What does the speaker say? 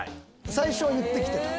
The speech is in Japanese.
最初言ってきてた？